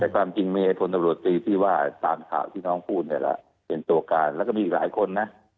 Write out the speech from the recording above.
แต่ความจริงมีพลตำรวจตรีที่ว่าตามข่าวที่น้องพูดเนี่ยแหละเป็นตัวการแล้วก็มีอีกหลายคนนะ